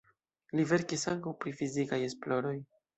Li verkis ankaŭ pri fizikaj esploroj.